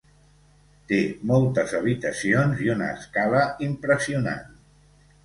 Té moltes habitacions i una escala impressionant.